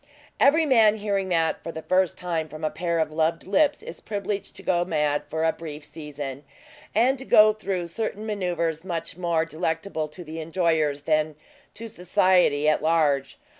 Every man hearing that for the first time from a pair of loved lips is privileged to go mad for a brief season, and to go through certain manoeuvers much more delectable to the enjoyers than to society at large.